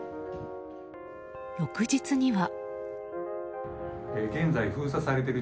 翌日には。